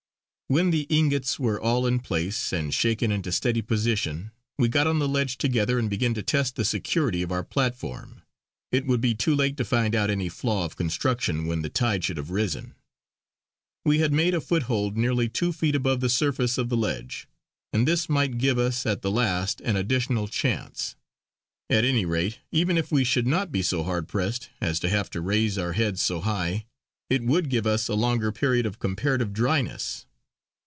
When the ingots were all in place, and shaken into steady position, we got on the ledge together and began to test the security of our platform; it would be too late to find out any flaw of construction when the tide should have risen. We had made a foothold nearly two feet above the surface of the ledge, and this might give us at the last an additional chance. At any rate, even if we should not be so hard pressed as to have to raise our heads so high, it would give us a longer period of comparative dryness.